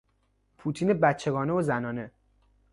پوتین بچگانه و زنانه